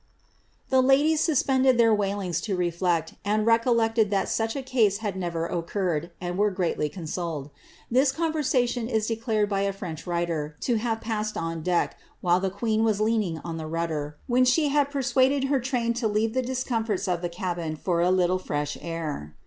*"' The ladies suspended their wailings to reflect, and recol ; lected that such a case had never occurred, and were greatly consoled. This conversation is declared by a French writer to have passed ob deck, while the queen was leaning on the rudder, when she luid per suaded her train to leave the discomforts of the cabin for a little freih , air.'